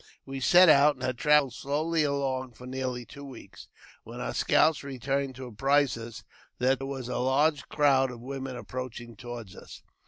We set out, and ^^^Uk travelled slowly along for nearly two weeks, when our scouts . returned to apprise us that there was a large crowd of womeu^ approaching towards us.